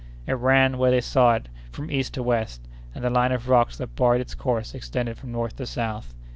It ran, where they saw it, from east to west, and the line of rocks that barred its course extended from north to south.